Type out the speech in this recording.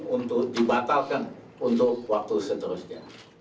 untuk dibatalkan untuk waktu seterusnya